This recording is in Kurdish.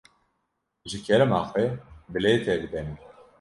Ji kerema xwe, bilêtê bide min.